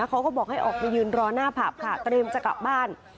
เขาก็บอกให้ออกไปยืนรอหน้าผับค่ะเตรียมจะกลับบ้าน